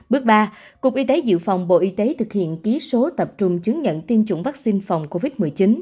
bước ba cục y tế dự phòng bộ y tế thực hiện ký số tập trung chứng nhận tiêm chủng vaccine phòng covid một mươi chín